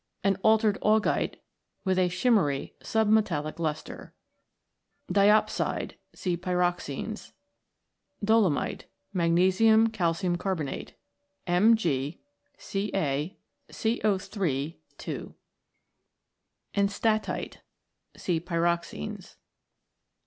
An altered augite with a shimmery submetallic lustre. Diopside. See Pyroxenes. Dolomite. Magnesium calcium carbonate, MgCa(CO.s) 2 . Enstatite. See Pyroxenes.